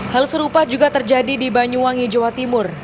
hal serupa juga terjadi di banyuwangi jawa timur